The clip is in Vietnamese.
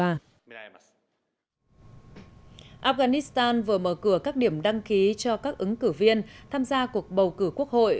afghanistan vừa mở cửa các điểm đăng ký cho các ứng cử viên tham gia cuộc bầu cử quốc hội